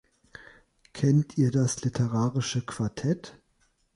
Kennt ihr das literarische Quartett?